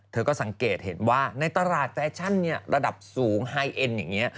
เธอก็สังเกตเห็นว่าในตลาดแฟชั่นระดับสูงไฮเอ็นอย่างนี้